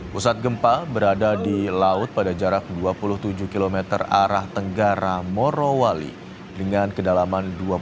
pusat gempa berada di laut pada jarak dua puluh tujuh km arah tenggara morowali dengan kedalaman